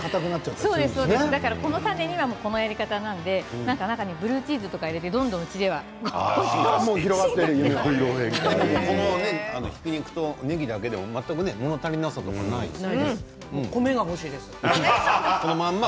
このタネにはこのやり方なので中にブルーチーズを入れてどんどんうちではひき肉とねぎだけでもの足りなさはないですね。